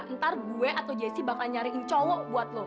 ntar gue atau jessi bakal nyariin cowok buat lo